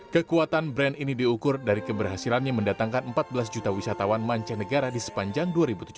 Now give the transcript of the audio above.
kekuatan brand ini diukur dari keberhasilannya mendatangkan empat belas juta wisatawan mancanegara di sepanjang dua ribu tujuh belas